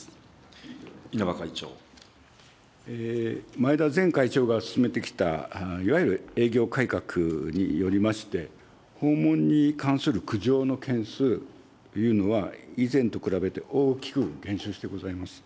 前田前会長が進めてきた、いわゆる営業改革によりまして、訪問に関する苦情の件数というのは、以前と比べて大きく減少してございます。